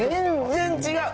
全然違う！